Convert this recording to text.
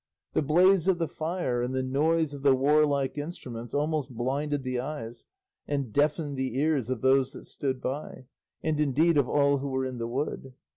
The blaze of the fire and the noise of the warlike instruments almost blinded the eyes and deafened the ears of those that stood by, and indeed of all who were in the wood.